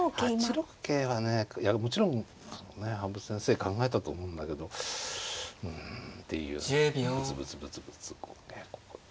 ８六桂はねいやもちろん羽生先生考えたと思うんだけどうんっていうぶつぶつぶつぶつこうね。